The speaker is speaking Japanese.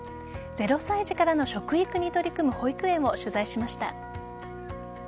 ０歳児からの食育に取り組む保育園を取材しました。